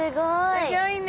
すギョいね